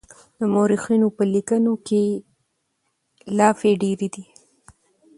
د مورخينو په ليکنو کې لافې ډېرې دي.